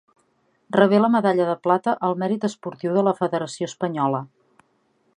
Rebé la medalla de plata al mèrit esportiu de la federació espanyola.